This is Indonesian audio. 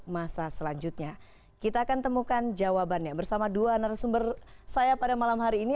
masa selanjutnya kita akan temukan jawabannya bersama dua narasumber saya pada malam hari ini